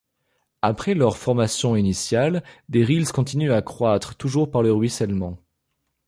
Après leur formation initiale, des rills continuent à croître, toujours par le ruissellement.